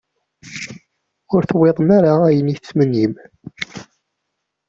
Ur tewwiḍem ara ayen i tettmennim?